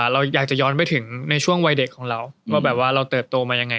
เราอยากจะย้อนไปถึงในช่วงวัยเด็กของเราว่าแบบว่าเราเติบโตมายังไง